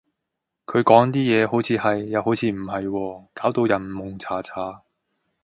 佢講啲嘢，好似係，又好似唔係喎，搞到人矇查查